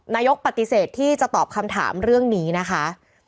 นายกปฏิเสธที่จะตอบคำถามเรื่องนี้นะคะ